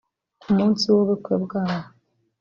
Ku munsi w’ubukwe bwabo